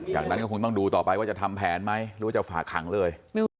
จากนั้นก็คงต้องดูต่อไปว่าจะทำแผนไหมหรือว่าจะฝากขังเลย